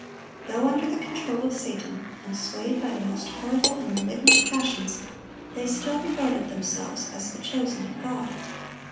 Though under the control of Satan, and swayed by the most horrible and malignant passions, they still regarded themselves as the chosen of God.